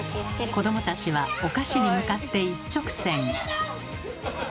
子どもたちはお菓子に向かって一直線。